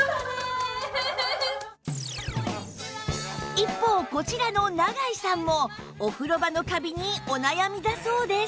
一方こちらの永井さんもお風呂場のカビにお悩みだそうです